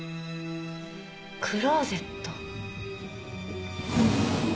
クローゼット。